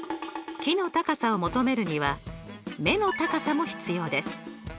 木の高さを求めるには目の高さも必要です。